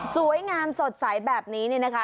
สวยงามสดใสแบบนี้เนี่ยนะคะ